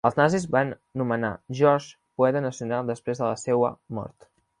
Els nazis van nomenar George poeta nacional després de la seua mort.